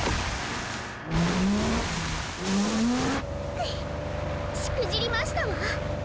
くっしくじりましたわ。